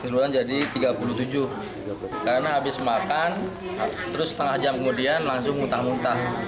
keseluruhan jadi tiga puluh tujuh karena habis makan terus setengah jam kemudian langsung muntah muntah